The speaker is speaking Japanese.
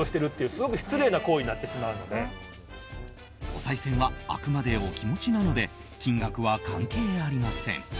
おさい銭はあくまでお気持ちなので金額は関係ありません。